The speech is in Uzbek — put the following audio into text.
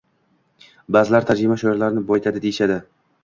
Ba’zilar tarjima shoirni boyitadi, deyishadi.